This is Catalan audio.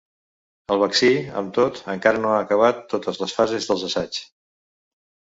El vaccí, amb tot, encara no ha acabat totes les frases dels assaigs.